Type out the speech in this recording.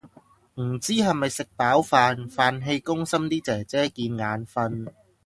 唔知係咪食飽飯，飯氣攻心啲清潔姐姐見眼訓